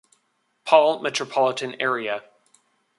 Paul metropolitan area.